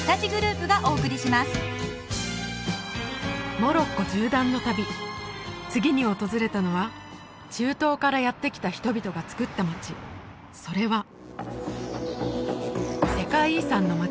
モロッコ縦断の旅次に訪れたのは中東からやって来た人々がつくった街それは世界遺産の街